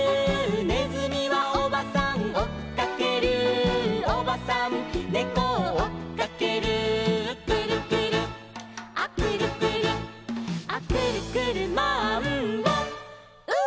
「ねずみはおばさんおっかける」「おばさんねこをおっかける」「くるくるアくるくるア」「くるくるマンボウ！」